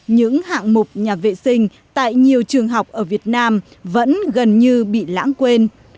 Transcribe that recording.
những hạng mục nhà vệ sinh tại nhiều trường học ở việt nam vẫn gần như bị lãng quên